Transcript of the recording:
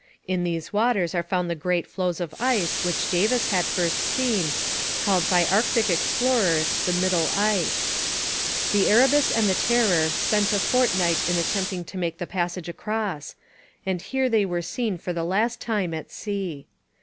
In these waters are found the great floes of ice which Davis had first seen, called by Arctic explorers the 'middle ice.' The Erebus and the Terror spent a fortnight in attempting to make the passage across, and here they were seen for the last time at sea.